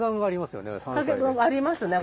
ありますね